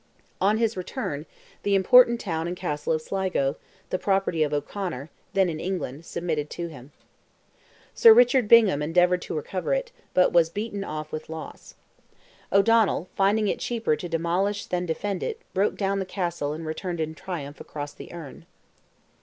On his return, the important town and castle of Sligo, the property of O'Conor, then in England, submitted to him. Sir Richard Bingham endeavoured to recover it, but was beaten off with loss. O'Donnell, finding it cheaper to demolish than defend it, broke down the castle and returned in triumph across the Erne.